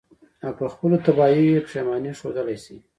او په خپلو تباهيو ئې پښېمانه ښودلے شي.